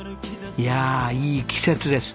いやあいい季節です。